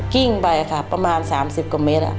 พิ่งไปประมาณ๓๐เมตร